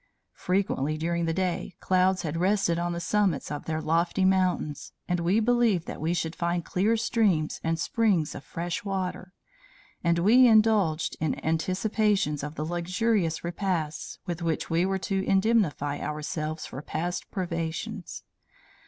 Frequently, during the day, clouds had rested on the summits of their lofty mountains, and we believed that we should find clear streams and springs of fresh water; and we indulged in anticipations of the luxurious repasts with which we were to indemnify ourselves for past privations.